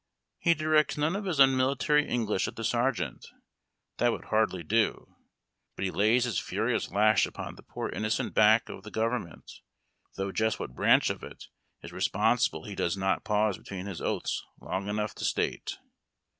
He directs none of his unmilitary English at the sergeant — that would hardly do ; but he lays liis furious lash upon the poor innocent back of the government, though just what branch of it is responsible lie does not pause between his oaths long enough to state.